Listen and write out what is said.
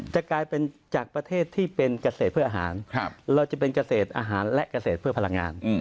จะกลายเป็นจากประเทศที่เป็นเกษตรเพื่ออาหารเราจะเป็นเกษตรอาหารและเกษตรเพื่อพลังงาน